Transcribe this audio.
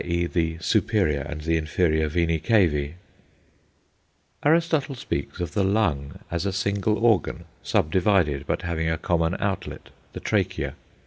e._ the superior and the inferior venæ cavæ). Aristotle speaks of the lung as a single organ, sub divided, but having a common outlet the trachea.